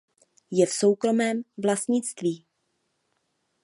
Je v soukromém vlastnictví.